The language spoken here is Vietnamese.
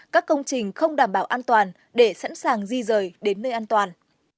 các công trình không đảm bảo an toàn để sẵn sàng di rời đến nơi an toàn